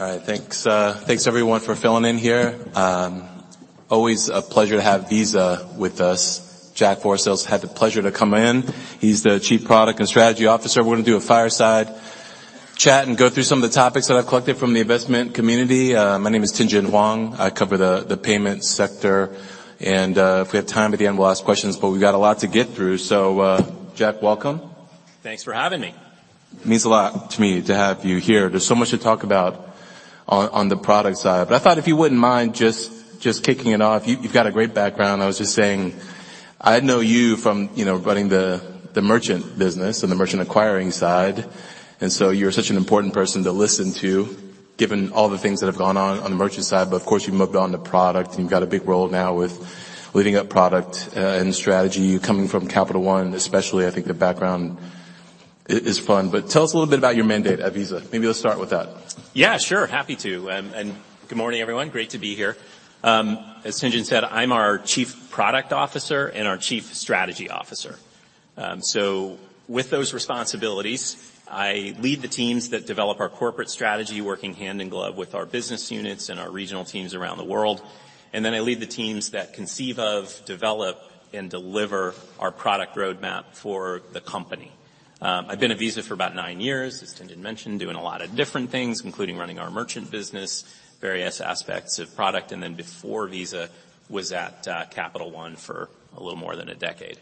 All right. Thanks, everyone for filling in here. Always a pleasure to have Visa with us. Jack Forestell's had the pleasure to come in. He's the Chief Product and Strategy Officer. We're gonna do a fireside chat and go through some of the topics that I've collected from the investment community. My name is Tien-Tsin Huang. I cover the payments sector, and if we have time at the end, we'll ask questions, but we've got a lot to get through. Jack, welcome. Thanks for having me. It means a lot to me to have you here. There's so much to talk about on the product side. I thought if you wouldn't mind just kicking it off. You've got a great background. I was just saying I know you from, you know, running the merchant business and the merchant acquiring side, you're such an important person to listen to given all the things that have gone on on the merchant side. Of course, you've moved on to product and you've got a big role now with leading up product and strategy. You coming from Capital One especially, I think the background is fun. Tell us a little bit about your mandate at Visa. Maybe let's start with that. Yeah, sure. Happy to. Good morning, everyone. Great to be here. As Tien-Tsin said, I'm our Chief Product Officer and our Chief Strategy Officer. With those responsibilities, I lead the teams that develop our corporate strategy, working hand in glove with our business units and our regional teams around the world. I lead the teams that conceive of, develop, and deliver our product roadmap for the company. I've been at Visa for about nine years, as Tien-Tsin mentioned, doing a lot of different things, including running our merchant business, various aspects of product, and then before Visa, was at Capital One for a little more than a decade.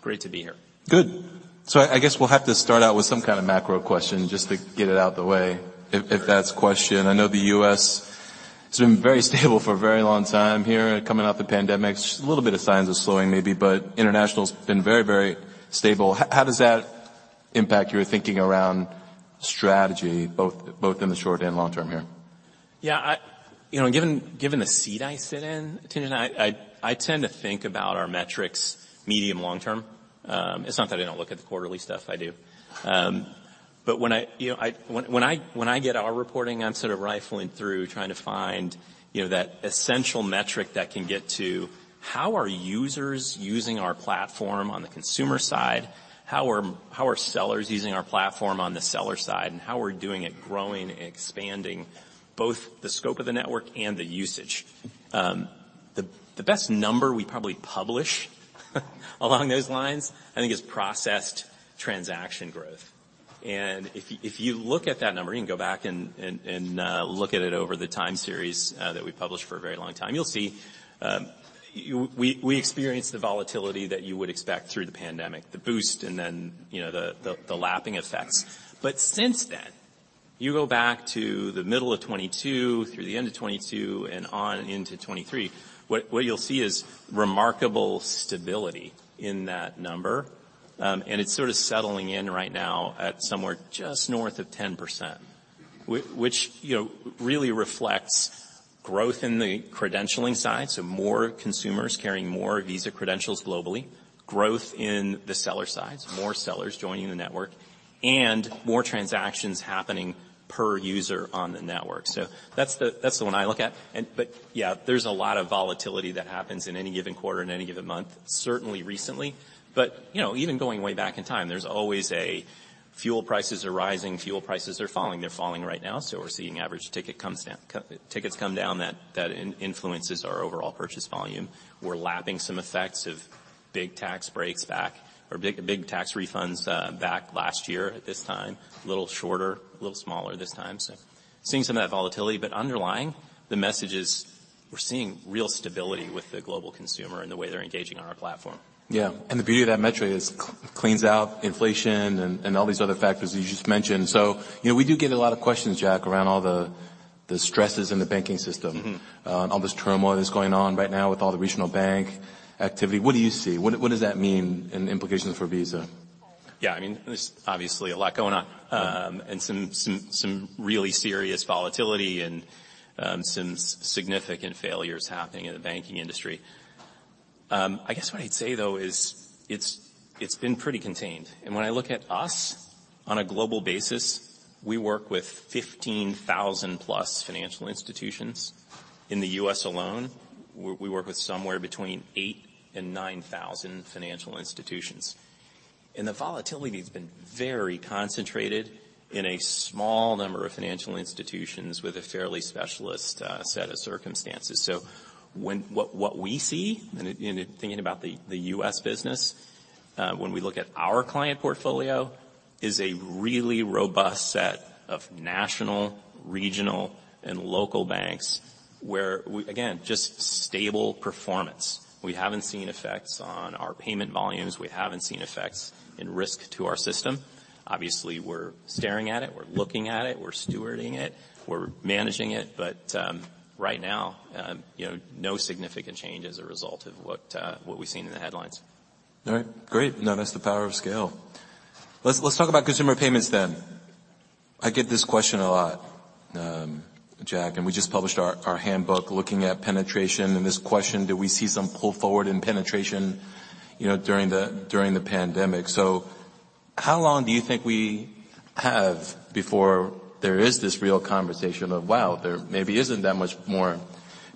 Great to be here. Good. I guess we'll have to start out with some kind of macro question, just to get it out the way, if that's question. I know the U.S. has been very stable for a very long time here coming out the pandemic. A little bit of signs of slowing maybe, but international's been very stable. How does that impact your thinking around strategy both in the short and long term here? Yeah, you know, given the seat I sit in, Tien-Tsin, I tend to think about our metrics medium, long-term. It's not that I don't look at the quarterly stuff, I do. When I, you know, when I get our reporting, I'm sort of rifling through trying to find, you know, that essential metric that can get to how are users using our platform on the consumer side, how are sellers using our platform on the seller side, and how we're doing at growing and expanding both the scope of the network and the usage. The best number we probably publish along those lines, I think is processed transaction growth. If you look at that number, you can go back and look at it over the time series that we published for a very long time. You'll see, we experienced the volatility that you would expect through the pandemic, the boost and then, you know, the lapping effects. Since then, you go back to the middle of 2022 through the end of 2022 and on into 2023, what you'll see is remarkable stability in that number. It's sort of settling in right now at somewhere just north of 10%, which, you know, really reflects growth in the credentialing side, so more consumers carrying more Visa credentials globally, growth in the seller side, so more sellers joining the network, and more transactions happening per user on the network. That's the, that's the one I look at. Yeah, there's a lot of volatility that happens in any given quarter, in any given month, certainly recently. You know, even going way back in time, there's always a fuel prices are rising, fuel prices are falling. They're falling right now, so we're seeing average ticket comes down. tickets come down, that influences our overall purchase volume. We're lapping some effects of big tax breaks back or big tax refunds back last year at this time, a little shorter, a little smaller this time, so seeing some of that volatility. Underlying the message is we're seeing real stability with the global consumer and the way they're engaging on our platform. Yeah. The beauty of that metric is cleans out inflation and all these other factors that you just mentioned. You know, we do get a lot of questions, Jack, around all the stresses in the banking system. Mm-hmm. All this turmoil that's going on right now with all the regional bank activity. What do you see? What, what does that mean in implications for Visa? I mean, there's obviously a lot going on. Some really serious volatility and significant failures happening in the banking industry. I guess what I'd say though is it's been pretty contained. When I look at us on a global basis, we work with 15,000+ financial institutions. In the U.S. alone, we work with somewhere between 8,000 and 9,000 financial institutions. The volatility has been very concentrated in a small number of financial institutions with a fairly specialist set of circumstances. What we see in thinking about the U.S. business, when we look at our client portfolio, is a really robust set of national, regional, and local banks where we again just stable performance. We haven't seen effects on our payment volumes. We haven't seen effects in risk to our system. Obviously, we're staring at it, we're looking at it, we're stewarding it, we're managing it. Right now, you know, no significant change as a result of what we've seen in the headlines. All right. Great. No, that's the power of scale. Let's talk about consumer payments then. I get this question a lot, Jack, and we just published our handbook looking at penetration and this question, do we see some pull forward in penetration, you know, during the pandemic. How long do you think we have before there is this real conversation of, wow, there maybe isn't that much more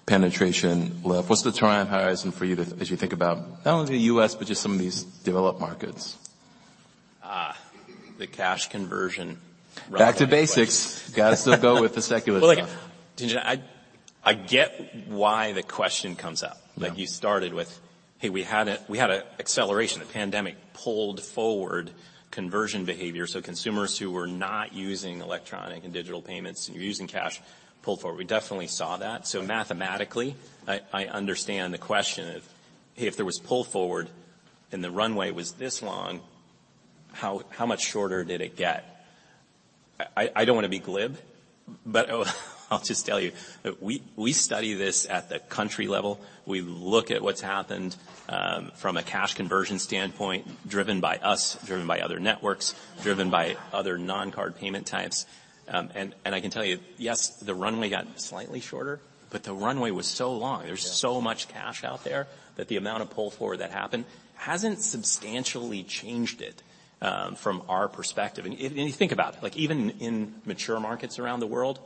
penetration left. What's the horizon for you to, as you think about not only the U.S., but just some of these developed markets? The cash conversion. Back to basics. Gotta still go with the secular stuff. Well, like, Tien-Tsin, I get why the question comes up. Yeah. Like you started with, "Hey, we had a acceleration. The pandemic pulled forward conversion behavior, so consumers who were not using electronic and digital payments and were using cash pulled forward." We definitely saw that. Mathematically, I understand the question of, "Hey, if there was pull forward and the runway was this long, how much shorter did it get?" I don't wanna be glib, but I'll just tell you, we study this at the country level. We look at what's happened from a cash conversion standpoint, driven by us, driven by other networks, driven by other non-card payment types. I can tell you, yes, the runway got slightly shorter, but the runway was so long. Yeah. There's so much cash out there that the amount of pull forward that happened hasn't substantially changed it, from our perspective. If you think about it, like even in mature markets around the world,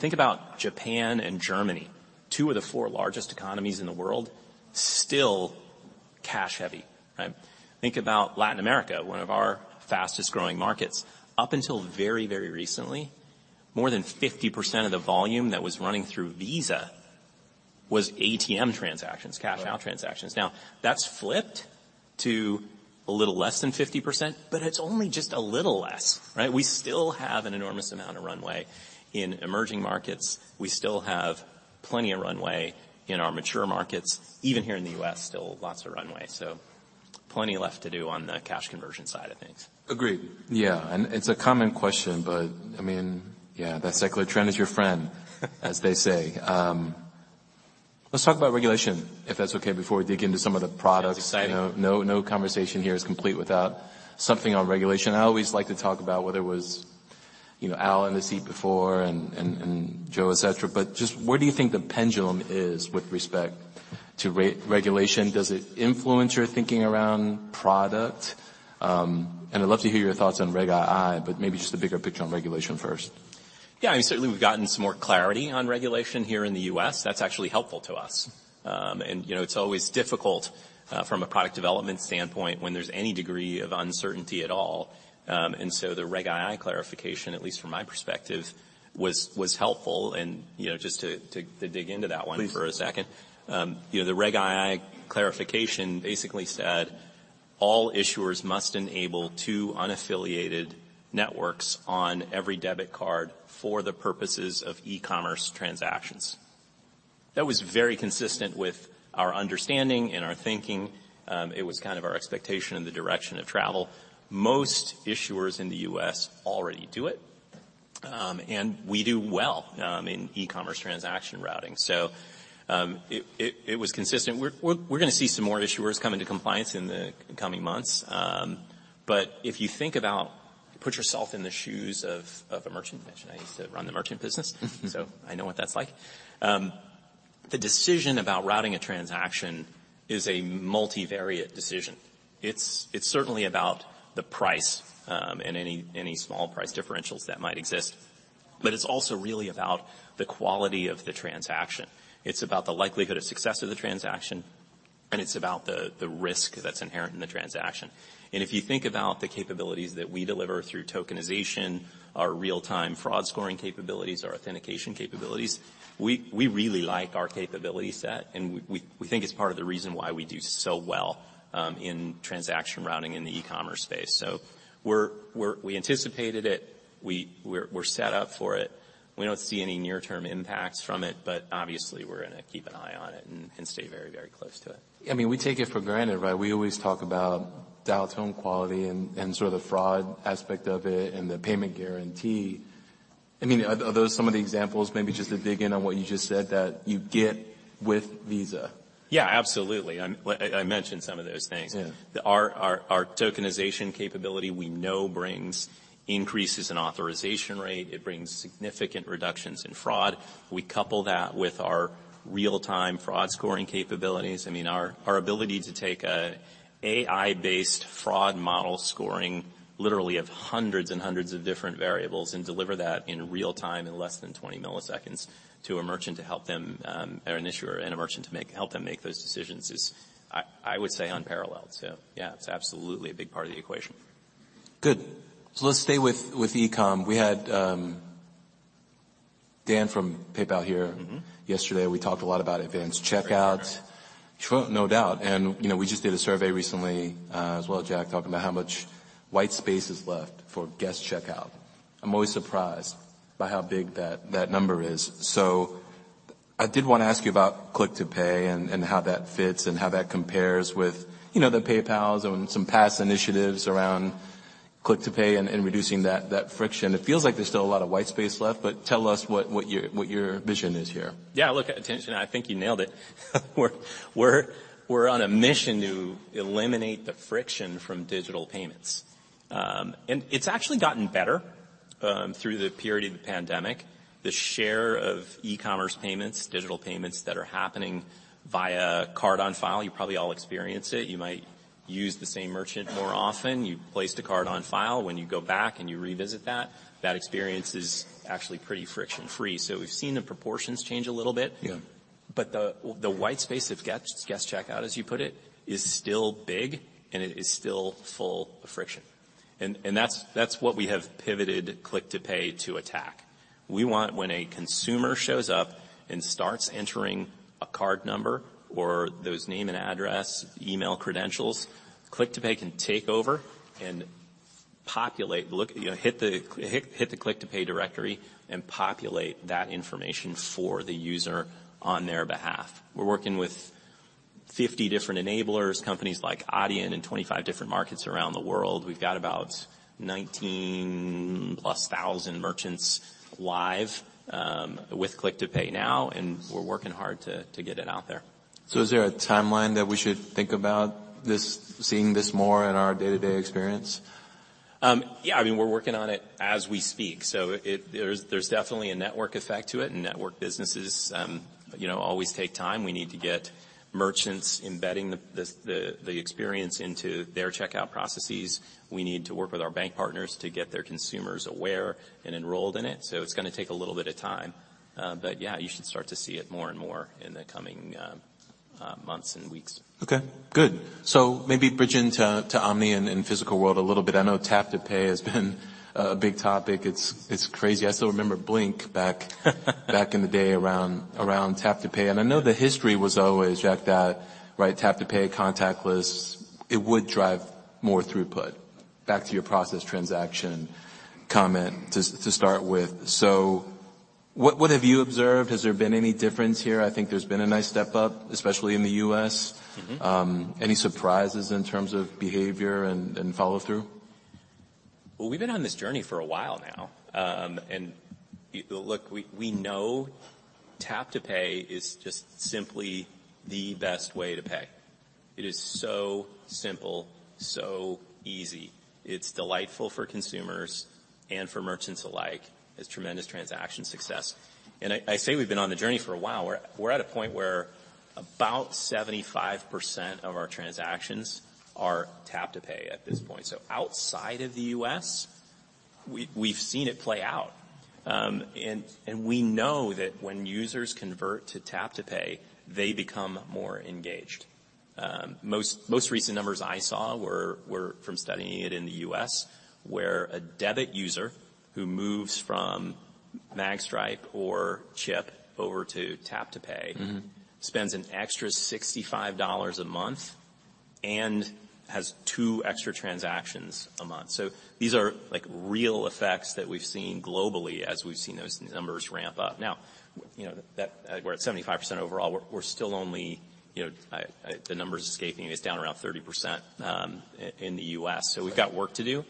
think about Japan and Germany, two of the four largest economies in the world, still cash heavy, right? Think about Latin America, one of our fastest-growing markets. Up until very, very recently, more than 50% of the volume that was running through Visa was ATM transactions. Right. That's flipped to a little less than 50%, but it's only just a little less, right? We still have an enormous amount of runway in emerging markets. We still have plenty of runway in our mature markets. Even here in the U.S., still lots of runway. Plenty left to do on the cash conversion side of things. Agreed. Yeah, it's a common question, but, I mean, yeah, that secular trend is your friend as they say. Let's talk about regulation, if that's okay, before we dig into some of the products. That's exciting. You know, no conversation here is complete without something on regulation. I always like to talk about whether it was, you know, Al in the seat before and Joe, et cetera, but just where do you think the pendulum is with respect to re-regulation? Does it influence your thinking around product? I'd love to hear your thoughts on Reg II, but maybe just the bigger picture on regulation first. Yeah. I mean, certainly we've gotten some more clarity on regulation here in the U.S. That's actually helpful to us. You know, it's always difficult from a product development standpoint when there's any degree of uncertainty at all. The Reg II clarification, at least from my perspective, was helpful. You know, just to dig into that one. Please. For a second. you know, the Reg II clarification basically said all issuers must enable two unaffiliated networks on every debit card for the purposes of e-commerce transactions. That was very consistent with our understanding and our thinking. it was kind of our expectation and the direction of travel. Most issuers in the U.S. already do it, and we do well, in e-commerce transaction routing. It, it was consistent. We're gonna see some more issuers come into compliance in the coming months. If you think about put yourself in the shoes of a merchant, which I used to run the merchant business. Mm-hmm. I know what that's like. The decision about routing a transaction is a multivariate decision. It's certainly about the price, and any small price differentials that might exist. It's also really about the quality of the transaction. It's about the likelihood of success of the transaction, and it's about the risk that's inherent in the transaction. If you think about the capabilities that we deliver through tokenization, our real-time fraud scoring capabilities, our authentication capabilities, we really like our capability set, and we think it's part of the reason why we do so well in transaction routing in the e-commerce space. We anticipated it. We're set up for it. We don't see any near-term impacts from it, obviously, we're gonna keep an eye on it and stay very, very close to it. I mean, we take it for granted, right? We always talk about dial tone quality and sort of the fraud aspect of it and the payment guarantee. I mean, are those some of the examples, maybe just to dig in on what you just said, that you get with Visa? Yeah, absolutely. like I mentioned some of those things. Yeah. Our tokenization capability we know brings increases in authorization rate. It brings significant reductions in fraud. We couple that with our real-time fraud scoring capabilities. I mean, our ability to take a AI-based fraud model scoring literally of hundreds and hundreds of different variables and deliver that in real time in less than 20 milliseconds to a merchant to help them, or an issuer and a merchant to help them make those decisions is I would say unparalleled. Yeah, it's absolutely a big part of the equation. Good. Let's stay with e-com. We had Dan from PayPal here. Mm-hmm. Yesterday. We talked a lot about advanced checkout. Very good. Sure, no doubt. you know, we just did a survey recently, as well, Jack, talking about how much white space is left for guest checkout. I'm always surprised by how big that number is. I did wanna ask you about Click to Pay and how that fits and how that compares with, you know, the PayPals and some past initiatives around Click to Pay and reducing that friction. It feels like there's still a lot of white space left, tell us what your vision is here. Yeah, look, attention, I think you nailed it. We're on a mission to eliminate the friction from digital payments. And it's actually gotten better, through the period of the pandemic. The share of e-commerce payments, digital payments that are happening via card on file, you probably all experience it. You might use the same merchant more often. You placed a card on file. When you go back and you revisit that experience is actually pretty friction-free. We've seen the proportions change a little bit. Yeah. The white space of guest checkout, as you put it, is still big, and it is still full of friction. That's what we have pivoted Click to Pay to attack. We want when a consumer shows up and starts entering a card number or those name and address, email credentials, Click to Pay can take over and populate, look, you know, hit the Click to Pay directory and populate that information for the user on their behalf. We're working with 50 different enablers, companies like Adyen in 25 different markets around the world. We've got about 19+ thousand merchants live with Click to Pay now, and we're working hard to get it out there. Is there a timeline that we should think about this, seeing this more in our day-to-day experience? Yeah, I mean, we're working on it as we speak. There's definitely a network effect to it and network businesses, you know, always take time. We need to get merchants embedding the experience into their checkout processes. We need to work with our bank partners to get their consumers aware and enrolled in it. It's gonna take a little bit of time. Yeah, you should start to see it more and more in the coming months and weeks. Good. Maybe bridge into Omni and physical world a little bit. I know Tap to Pay has been a big topic. It's crazy. I still remember Blink back in the day around Tap to Pay. I know the history was always at that, right, Tap to Pay contactless, it would drive more throughput. Back to your process transaction comment to start with. What have you observed? Has there been any difference here? I think there's been a nice step up, especially in the U.S. Mm-hmm. Any surprises in terms of behavior and follow through? Well, we've been on this journey for a while now. Look, we know tap to pay is just simply the best way to pay. It is so simple, so easy. It's delightful for consumers and for merchants alike. It's tremendous transaction success. I say we've been on the journey for a while. We're at a point where about 75% of our transactions are Tap to Pay at this point. Outside of the U.S., we've seen it play out. We know that when users convert to Tap to Pay, they become more engaged. Most recent numbers I saw were from studying it in the U.S., where a debit user who moves from magstripe or chip over to Tap to Pay. Mm-hmm Spends an extra $65 a month and has two extra transactions a month. These are, like, real effects that we've seen globally as we've seen those numbers ramp up. Now, you know, that we're at 75% overall, we're still only, you know, the number's escaping me, it's down around 30% in the U.S. We've got work to do.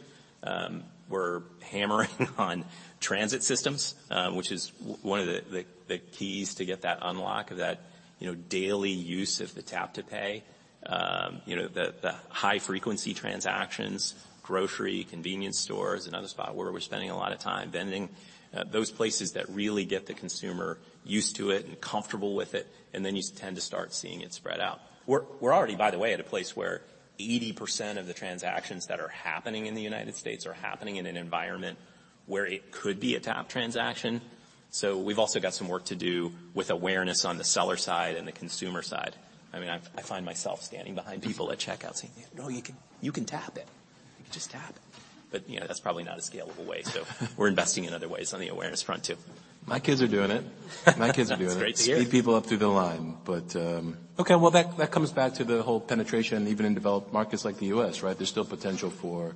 We're hammering on transit systems, which is one of the keys to get that unlock of that, you know, daily use of the tap to pay. You know, the high frequency transactions, grocery, convenience stores, another spot where we're spending a lot of time vending, those places that really get the consumer used to it and comfortable with it, and then you tend to start seeing it spread out. We're already, by the way, at a place where 80% of the transactions that are happening in the United States are happening in an environment where it could be a tap transaction. We've also got some work to do with awareness on the seller side and the consumer side. I mean, I find myself standing behind people at checkout saying, "No, you can tap it. You can just tap it." You know, that's probably not a scalable way. We're investing in other ways on the awareness front too. My kids are doing it. That's great to hear. Speed people up through the line. Okay, well, that comes back to the whole penetration, even in developed markets like the U.S., right? There's still potential for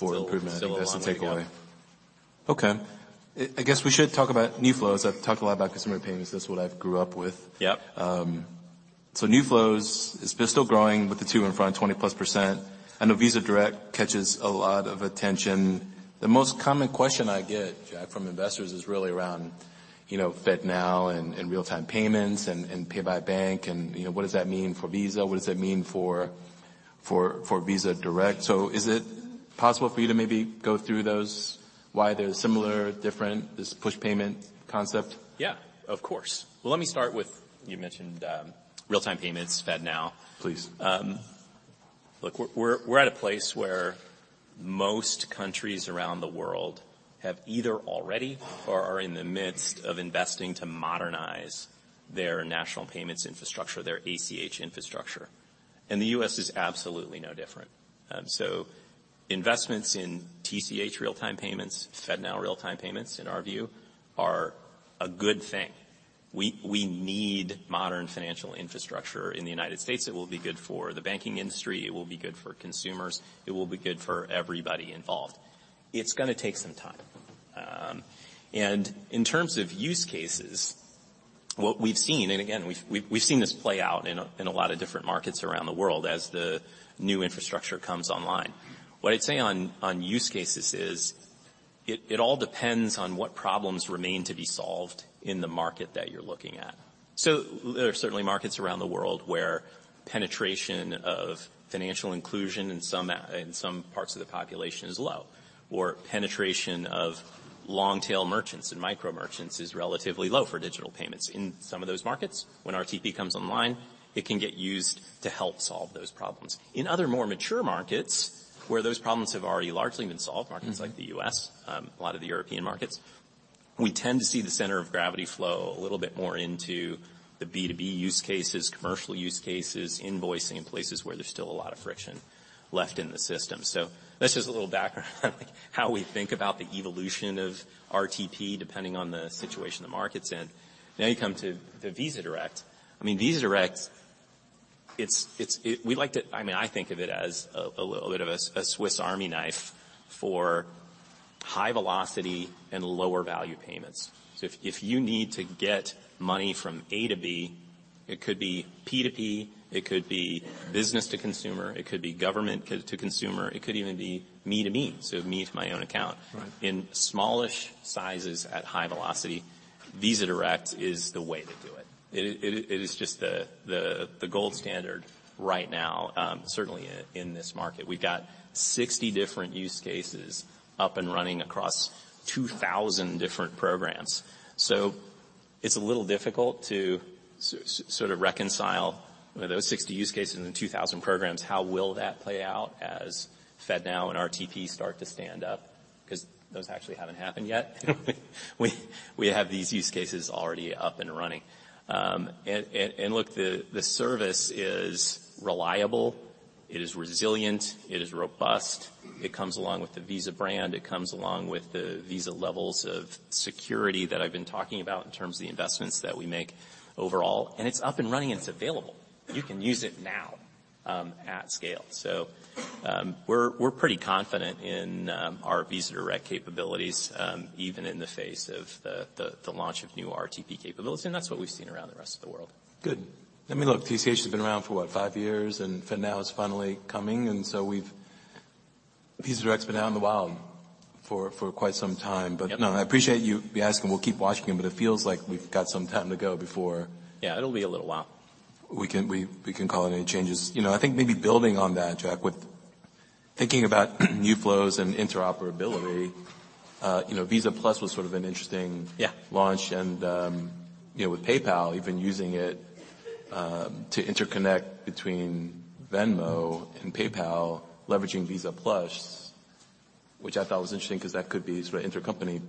improvement. Still a long way, yeah. I guess, to take away. Okay. I guess we should talk about New Flows. I've talked a lot about customer payments, that's what I've grew up with. Yep. New Flows is still growing with the two in front, 20%+. I know Visa Direct catches a lot of attention. The most common question I get, Jack, from investors is really around, you know, FedNow and real-time payments and Pay by Bank and, you know, what does that mean for Visa? What does that mean for, for Visa Direct? Is it possible for you to maybe go through those, why they're similar, different, this push payment concept? Yeah, of course. Well, let me start with, you mentioned, real-time payments, FedNow. Please. Look, we're at a place where most countries around the world have either already or are in the midst of investing to modernize their national payments infrastructure, their ACH infrastructure. The U.S. is absolutely no different. Investments in TCH real-time payments, FedNow real-time payments, in our view, are a good thing. We need modern financial infrastructure in the United States. It will be good for the banking industry, it will be good for consumers, it will be good for everybody involved. It's gonna take some time. In terms of use cases, what we've seen, and again, we've seen this play out in a lot of different markets around the world as the new infrastructure comes online. What I'd say on use cases it all depends on what problems remain to be solved in the market that you're looking at. There are certainly markets around the world where penetration of financial inclusion in some parts of the population is low, or penetration of long-tail merchants and micro merchants is relatively low for digital payments. In some of those markets, when RTP comes online, it can get used to help solve those problems. In other more mature markets where those problems have already largely been solved, markets like the U.S., a lot of the European markets. We tend to see the center of gravity flow a little bit more into the B2B use cases, commercial use cases, invoicing in places where there's still a lot of friction left in the system. That's just a little background how we think about the evolution of RTP, depending on the situation the market's in. You come to the Visa Direct. I mean, Visa Direct, it's we like to, I mean, I think of it as a little bit of a Swiss Army knife for high velocity and lower value payments. If you need to get money from A to B, it could be P2P, it could be business to consumer, it could be government to consumer, it could even be me to me, so me to my own account. Right. In smallish sizes at high velocity, Visa Direct is the way to do it. It is just the gold standard right now, certainly in this market. We've got 60 different use cases up and running across 2,000 different programs. It's a little difficult to sort of reconcile those 60 use cases and 2,000 programs, how will that play out as FedNow and RTP start to stand up, 'cause those actually haven't happened yet. We have these use cases already up and running. Look, the service is reliable, it is resilient, it is robust. It comes along with the Visa brand, it comes along with the Visa levels of security that I've been talking about in terms of the investments that we make overall, and it's up and running, and it's available. You can use it now, at scale. We're pretty confident in our Visa Direct capabilities, even in the face of the launch of new RTP capability, that's what we've seen around the rest of the world. Good. I mean, look, TCH has been around for what, five years? FedNow is finally coming. Visa Direct's been out in the wild for quite some time. Yep. No, I appreciate you asking. We'll keep watching them, but it feels like we've got some time to go before. Yeah, it'll be a little while. We can call any changes. You know, I think maybe building on that, Jack, with thinking about New Flows and interoperability, you know, Visa+ was sort of an interesting- Yeah .launch and, you know, with PayPal, you've been using it, to interconnect between Venmo and PayPal, leveraging Visa+, which I thought was interesting 'cause that could be sort of intercompany.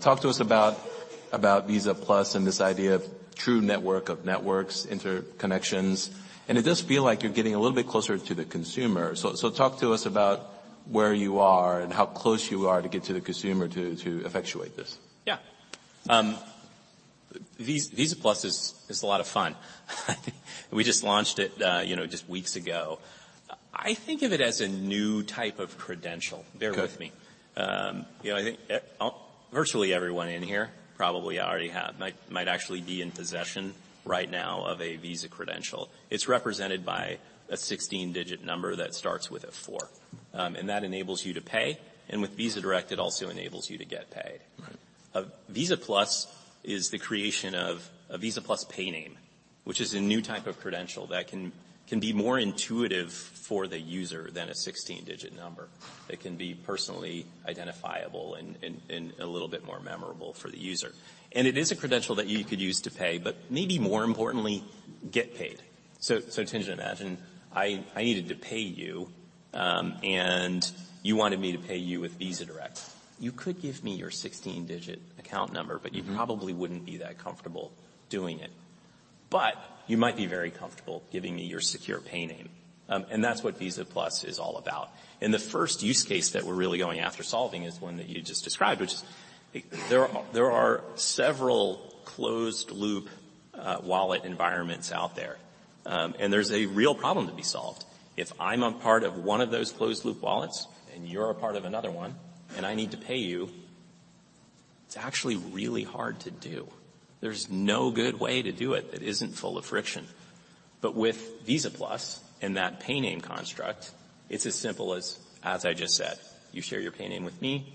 Talk to us about Visa+ and this idea of true network of networks, interconnections? It does feel like you're getting a little bit closer to the consumer. Talk to us about where you are and how close you are to get to the consumer to effectuate this? Yeah. Visa+ is a lot of fun. We just launched it, you know, just weeks ago. I think of it as a new type of credential. Okay. Bear with me. You know, I think virtually everyone in here probably already have, might actually be in possession right now of a Visa credential. It's represented by a 16-digit number that starts with a four. That enables you to pay, and with Visa Direct, it also enables you to get paid. Right. A Visa+ is the creation of a Visa+ Payname, which is a new type of credential that can be more intuitive for the user than a 16-digit number. It can be personally identifiable and a little bit more memorable for the user. It is a credential that you could use to pay, but maybe more importantly, get paid. Tien-Tsin, imagine I needed to pay you, and you wanted me to pay you with Visa Direct. You could give me your 16-digit account number- Mm-hmm but you probably wouldn't be that comfortable doing it. You might be very comfortable giving me your secure Payname. That's what Visa+ is all about. The first use case that we're really going after solving is one that you just described, which is there are several closed loop wallet environments out there. There's a real problem to be solved. If I'm a part of one of those closed loop wallets and you're a part of another one and I need to pay you, it's actually really hard to do. There's no good way to do it that isn't full of friction. With Visa+ and that Payname construct, it's as simple as I just said, you share your Payname with me,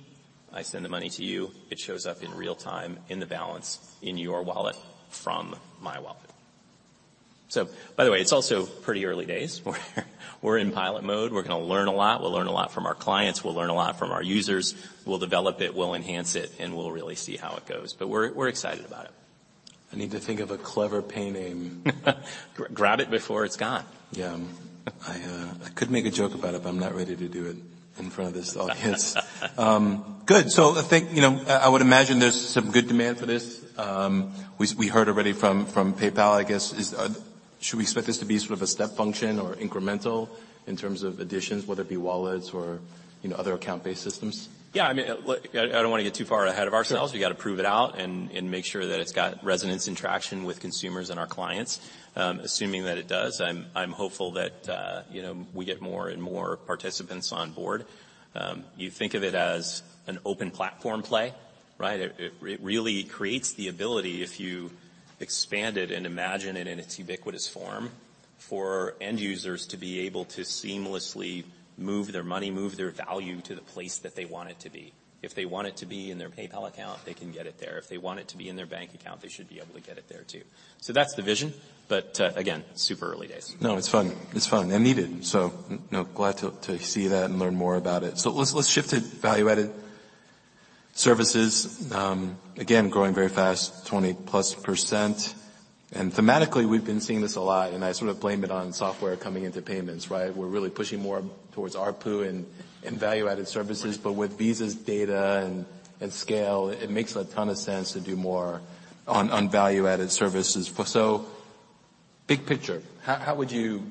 I send the money to you, it shows up in real time in the balance in your wallet from my wallet. By the way, it's also pretty early days. We're in pilot mode. We're going to learn a lot. We'll learn a lot from our clients. We'll learn a lot from our users. We'll develop it, we'll enhance it, and we'll really see how it goes. We're excited about it. I need to think of a clever Visa+ Payname. Grab it before it's gone. Yeah. I could make a joke about it, but I'm not ready to do it in front of this audience. Good. I think, you know, I would imagine there's some good demand for this. We heard already from PayPal, I guess. Should we expect this to be sort of a step function or incremental in terms of additions, whether it be wallets or, you know, other account-based systems? Yeah, I mean, look, I don't wanna get too far ahead of ourselves. Sure. We gotta prove it out and make sure that it's got resonance and traction with consumers and our clients. Assuming that it does, I'm hopeful that, you know, we get more and more participants on board. You think of it as an open platform play, right? It really creates the ability if you expand it and imagine it in its ubiquitous form, for end users to be able to seamlessly move their money, move their value to the place that they want it to be. If they want it to be in their PayPal account, they can get it there. If they want it to be in their bank account, they should be able to get it there too. That's the vision, again, super early days. No, it's fun. It's fun and needed. You know, glad to see that and learn more about it. Let's shift to Value-Added Services. Again, growing very fast, 20%+. Thematically, we've been seeing this a lot, and I sort of blame it on software coming into payments, right? We're really pushing more towards ARPU and Value-Added Services. With Visa's data and scale, it makes a ton of sense to do more on Value-Added Services. Big picture, how would you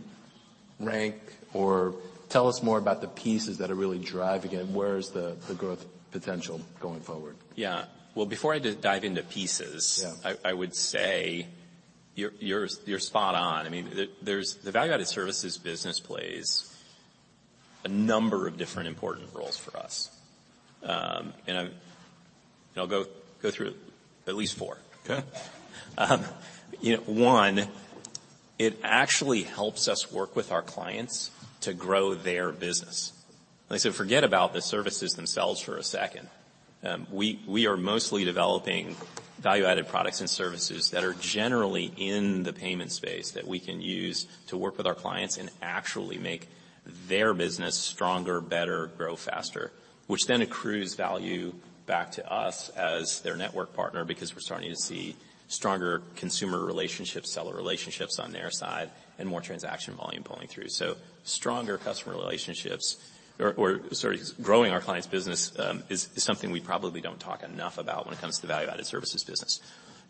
rank or tell us more about the pieces that are really driving it? Where is the growth potential going forward? Yeah. Well, before I dive. Yeah I would say you're spot on. I mean, there's the Value-Added Services business plays a number of different important roles for us. I'll go through at least four. Okay. You know, one, it actually helps us work with our clients to grow their business. Like I said, forget about the services themselves for a second. We are mostly developing value-added products and services that are generally in the payment space that we can use to work with our clients and actually make their business stronger, better, grow faster, which then accrues value back to us as their network partner because we're starting to see stronger consumer relationships, seller relationships on their side and more transaction volume pulling through. Stronger customer relationships or sorry, growing our clients' business, is something we probably don't talk enough about when it comes to Value-Added Services business.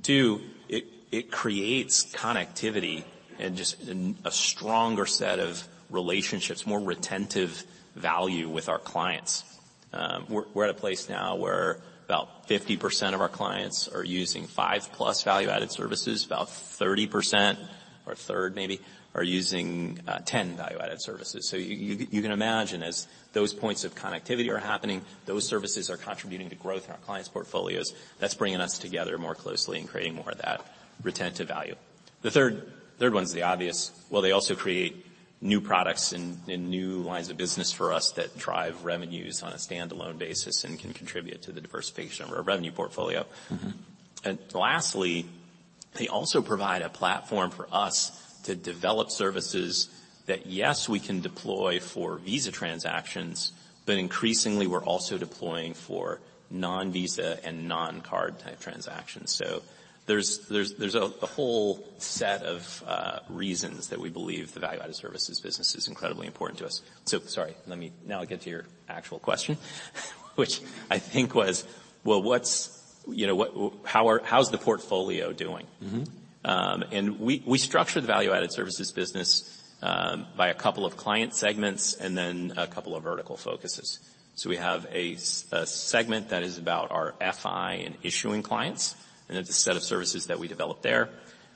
Two, it creates connectivity and just a stronger set of relationships, more retentive value with our clients. We're at a place now where about 50% of our clients are using five-plus Value-Added Services. About 30% or a third maybe, are using 10 Value-Added Services. You can imagine as those points of connectivity are happening, those services are contributing to growth in our clients' portfolios. That's bringing us together more closely and creating more of that retentive value. The third one's the obvious. They also create new products and new lines of business for us that drive revenues on a standalone basis and can contribute to the diversification of our revenue portfolio. Mm-hmm. Lastly, they also provide a platform for us to develop services that, yes, we can deploy for Visa transactions, but increasingly we're also deploying for non-Visa and non-card type transactions. There's a whole set of reasons that we believe the Value-Added Services business is incredibly important to us. Sorry, let me now get to your actual question which I think was, well, what's, you know, what. How's the portfolio doing? Mm-hmm. We structure the Value-Added Services business by a couple of client segments and then a couple of vertical focuses. We have a segment that is about our FI and issuing clients, and it's a set of services that we develop there.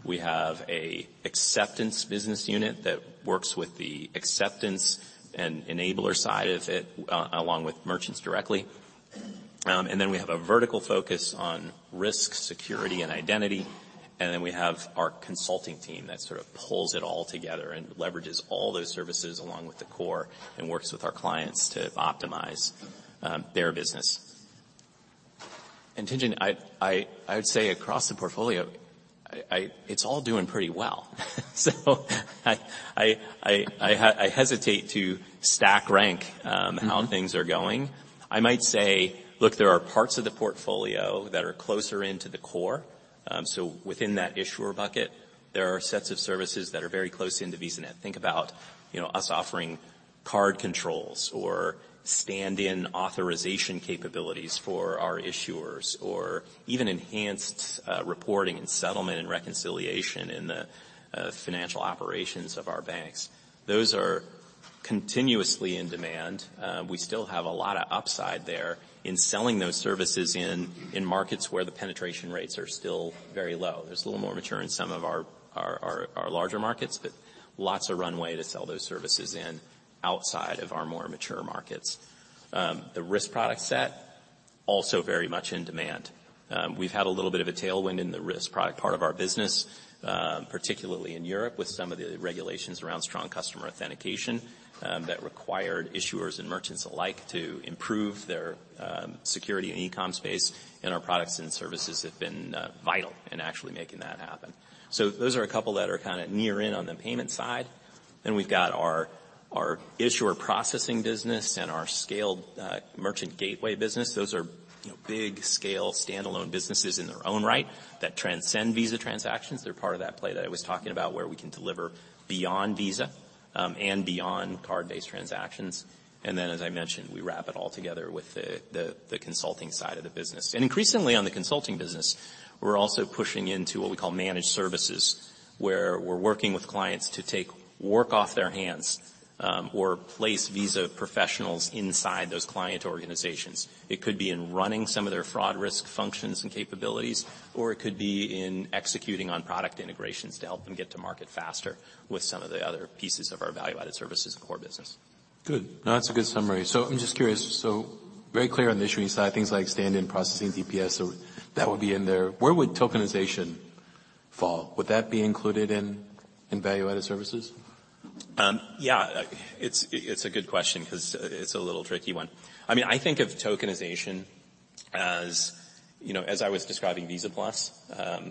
We have a acceptance business unit that works with the acceptance enabler side of it along with merchants directly. Then we have a vertical focus on risk, security, and identity. Then we have our consulting team that sort of pulls it all together and leverages all those services along with the core and works with our clients to optimize their business. Tien-Tsin, I'd say across the portfolio, it's all doing pretty well. I hesitate to stack rank how things are going. I might say, look, there are parts of the portfolio that are closer into the core. Within that issuer bucket, there are sets of services that are very close into VisaNet. Think about, you know, us offering card controls or stand-in authorization capabilities for our issuers or even enhanced reporting and settlement and reconciliation in the financial operations of our banks. Those are continuously in demand. We still have a lot of upside there in selling those services in markets where the penetration rates are still very low. There's a little more mature in some of our larger markets, but lots of runway to sell those services in outside of our more mature markets. The risk product set, also very much in demand. We've had a little bit of a tailwind in the risk product part of our business, particularly in Europe with some of the regulations around Strong Customer Authentication, that required issuers and merchants alike to improve their security and e-com space, our products and services have been vital in actually making that happen. Those are two that are kinda near in on the payment side. We've got our issuer processing business and our scaled merchant gateway business. Those are, you know, big scale standalone businesses in their own right that transcend Visa transactions. They're part of that play that I was talking about where we can deliver beyond Visa and beyond card-based transactions. As I mentioned, we wrap it all together with the consulting side of the business. Increasingly on the consulting business, we're also pushing into what we call managed services, where we're working with clients to take work off their hands, or place Visa professionals inside those client organizations. It could be in running some of their fraud risk functions and capabilities, or it could be in executing on product integrations to help them get to market faster with some of the other pieces of our value-added services core business. Good. That's a good summary. I'm just curious, so very clear on the issuing side, things like stand-in processing DPS, so that would be in there. Where would tokenization fall? Would that be included in value-added services? Yeah. It's a good question 'cause it's a little tricky one. I mean, I think of tokenization as, you know, as I was describing Visa+,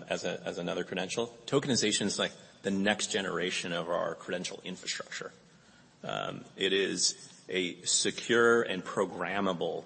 as another credential. Tokenization is like the next generation of our credential infrastructure. It is a secure and programmable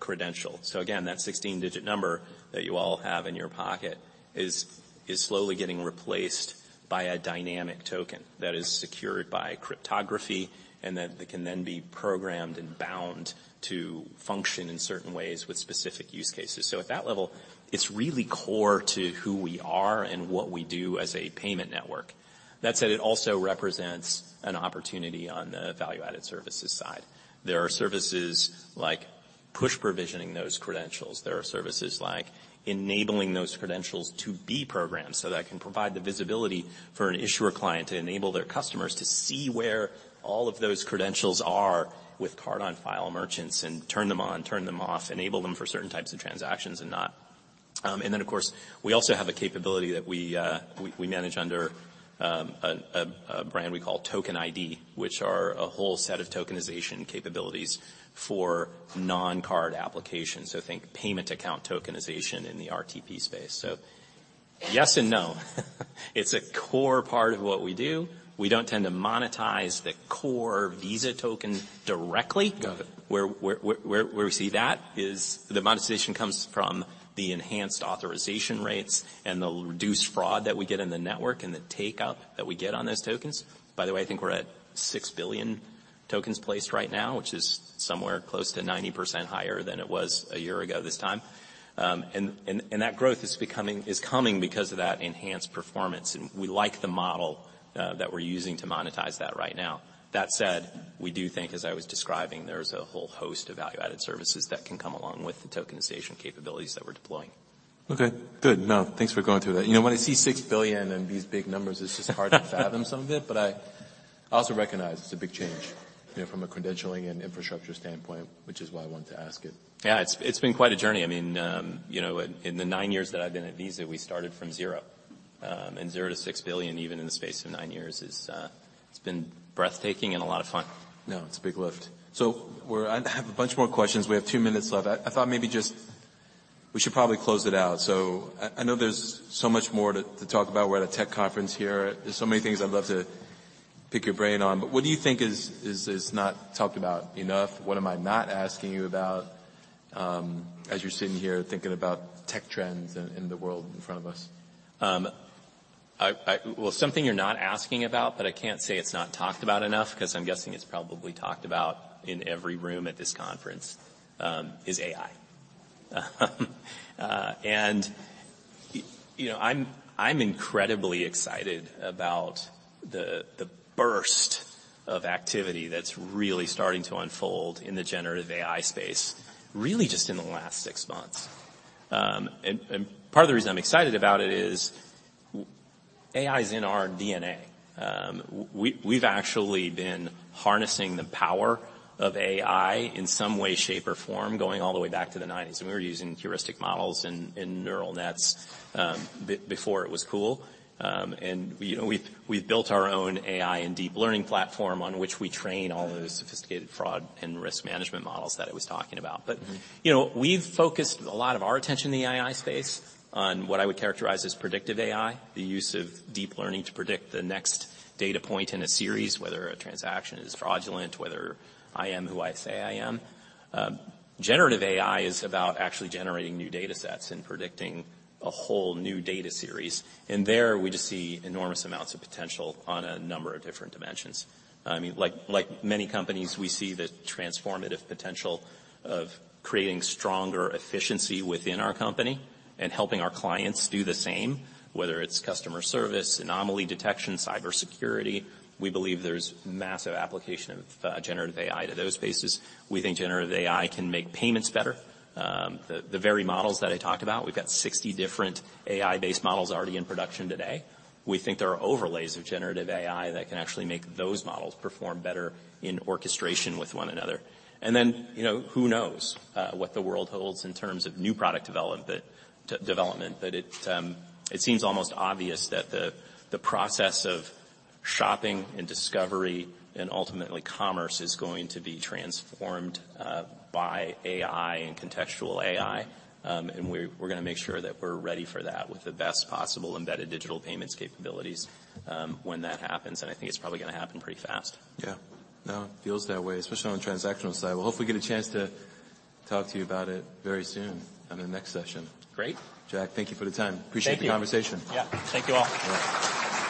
credential. Again, that 16-digit number that you all have in your pocket is slowly getting replaced by a dynamic token that is secured by cryptography and that can then be programmed and bound to function in certain ways with specific use cases. At that level, it's really core to who we are and what we do as a payment network. That said, it also represents an opportunity on the Value-Added Services side. There are services like push provisioning those credentials. There are services like enabling those credentials to be programmed, that can provide the visibility for an issuer client to enable their customers to see where all of those credentials are with card on file merchants and turn them on, turn them off, enable them for certain types of transactions and not. And then of course, we also have a capability that we manage under a brand we call Token ID, which are a whole set of tokenization capabilities for non-card applications. Think payment account tokenization in the RTP space. Yes and no. It's a core part of what we do. We don't tend to monetize the core Visa token directly. Got it. Where we see that is the monetization comes from the enhanced authorization rates and the reduced fraud that we get in the network, and the takeout that we get on those tokens. By the way, I think we're at six billion tokens placed right now, which is somewhere close to 90% higher than it was a year ago this time. That growth is coming because of that enhanced performance, and we like the model that we're using to monetize that right now. That said, we do think, as I was describing, there's a whole host of Value-Added Services that can come along with the tokenization capabilities that we're deploying. Okay. Good. Thanks for going through that. You know, when I see $6 billion and these big numbers, it's just hard to fathom some of it, but I also recognize it's a big change, you know, from a credentialing and infrastructure standpoint, which is why I wanted to ask it. Yeah, it's been quite a journey. I mean, you know, in the nine years that I've been at Visa, we started from zero, and zero to $6 billion, even in the space of nine years, is, it's been breathtaking and a lot of fun. No, it's a big lift. I have a bunch more questions. We have two minutes left. I thought maybe just we should probably close it out. I know there's so much more to talk about. We're at a tech conference here. There's so many things I'd love to pick your brain on, but what do you think is not talked about enough? What am I not asking you about, as you're sitting here thinking about tech trends in the world in front of us? Well, something you're not asking about, but I can't say it's not talked about enough 'cause I'm guessing it's probably talked about in every room at this conference, is AI. You know, I'm incredibly excited about the burst of activity that's really starting to unfold in the generative AI space, really just in the last six months. Part of the reason I'm excited about it is AI is in our DNA. We've actually been harnessing the power of AI in some way, shape, or form going all the way back to the nineties, and we were using heuristic models and neural nets before it was cool. We, you know, we've built our own AI and deep learning platform on which we train all those sophisticated fraud and risk management models that I was talking about. Mm-hmm. You know, we've focused a lot of our attention in the AI space on what I would characterize as predictive AI, the use of deep learning to predict the next data point in a series, whether a transaction is fraudulent, whether I am who I say I am. Generative AI is about actually generating new datasets and predicting a whole new data series. There we just see enormous amounts of potential on a number of different dimensions. I mean, like many companies, we see the transformative potential of creating stronger efficiency within our company and helping our clients do the same, whether it's customer service, anomaly detection, cybersecurity. We believe there's massive application of generative AI to those spaces. We think generative AI can make payments better. The very models that I talked about, we've got 60 different AI-based models already in production today. We think there are overlays of generative AI that can actually make those models perform better in orchestration with one another. You know, who knows what the world holds in terms of new product development. It seems almost obvious that the process of shopping and discovery and ultimately commerce is going to be transformed by AI and contextual AI. We're gonna make sure that we're ready for that with the best possible embedded digital payments capabilities when that happens, and I think it's probably gonna happen pretty fast. Yeah. No, it feels that way, especially on the transactional side. We'll hopefully get a chance to talk to you about it very soon on the next session. Great. Jack, thank you for the time. Thank you. Appreciate the conversation. Yeah. Thank you all. All right.